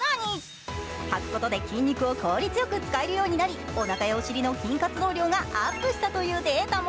はくことで筋肉を効率よく使えるようになり、おなかやお尻の筋活動量がアップしたというデータも。